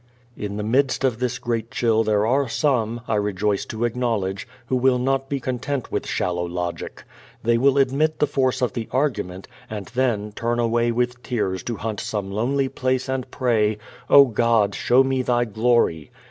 In the midst of this great chill there are some, I rejoice to acknowledge, who will not be content with shallow logic. They will admit the force of the argument, and then turn away with tears to hunt some lonely place and pray, "O God, show me thy glory."